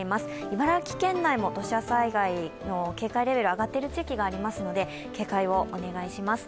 茨城県内も土砂災害警戒レベルが上がっている地域もありますので警戒をお願いします。